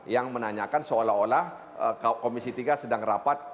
yang menanyakan seolah olah komisi tiga sedang rapat